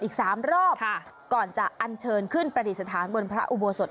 อีก๓รอบก่อนจะอันเชิญขึ้นประดิษฐานบนพระอุโบสถ